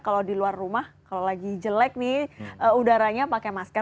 kalau di luar rumah kalau lagi jelek nih udaranya pakai masker